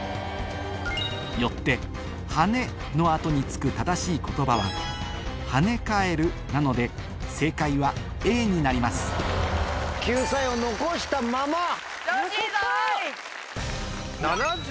よって「はね」の後に付く正しい言葉は「はねかえる」なので正解はＡになります頑張るぞ！